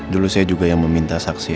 dulu saya juga yang meminta saksi